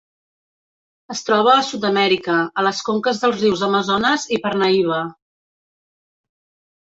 Es troba a Sud-amèrica, a les conques dels rius Amazones i Parnaíba.